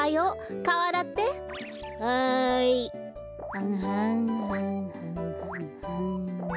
はんはんはんはんはんはん。